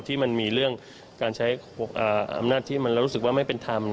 ที่มันมีเรื่องการใช้อำนาจที่มันเรารู้สึกว่าไม่เป็นธรรม